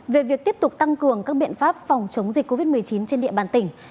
về việc tiếp tục tăng cường các biện pháp phòng chống dịch covid một mươi chín trên địa bàn tỉnh